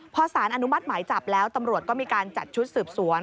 พอสารอนุมัติหมายจับแล้วตำรวจก็มีการจัดชุดสืบสวน